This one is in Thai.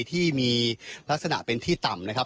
ที่มีลักษณะเป็นที่ต่ำนะครับ